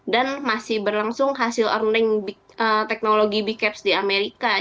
dan masih berlangsung hasil earning teknologi bkeps di amerika